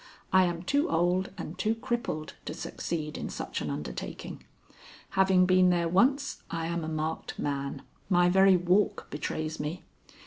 "I am too old and too crippled to succeed in such an undertaking. Having been there once, I am a marked man. My very walk betrays me.